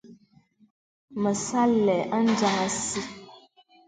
Me sà àlə̄ adiāŋ àsi.